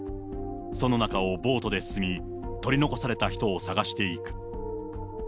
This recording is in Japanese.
その中をボートで進み、取り残された人を探していく。